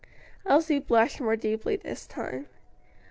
Elsie blushed more deeply this time.